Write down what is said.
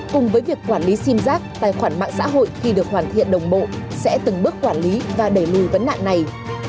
cùng với việc quản lý sim giác tài khoản mạng xã hội khi được hoàn thiện đồng bộ sẽ từng bước quản lý và đẩy lùi vấn nạn này